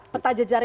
peta jejaring suara